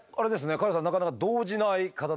カラスさんなかなか動じない方ですね。